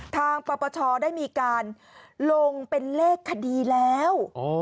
ทางประปเชาะได้มีการลงเป็นเลขคดีแล้ว